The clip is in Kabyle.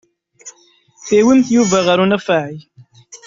Tewwimt Yuba ɣer unafag?